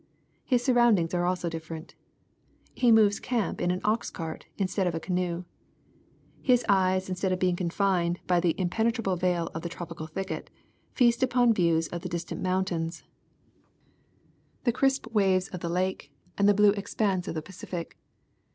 His surroundings are also different. He moves camp in an ox cart instead of a canoe.. His eyes instead of being confined by Across Nicaragua with Transit and Machete. 331 the impenetrable veil of the tropical thicket, feast upon views of the distant mountains, the crisp waves of the Lal<e, and the blue expanse of the Pacific.